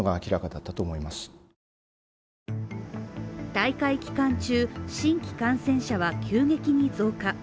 大会期間中、新規感染者は急激に増加。